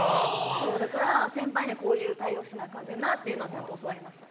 だから、先輩にはこういう対応しなあかんねんなってちゃんと教わりました。